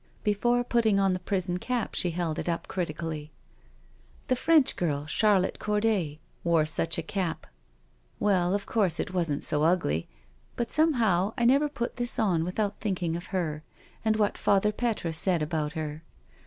Before putting on the prison cap she held it up critically :" The French girl, Charlotte Corday, wore such a cap I Well, of course, it wasn't so ugly— but somehow I never put this on without thinking of her, and what Father Petre said about her.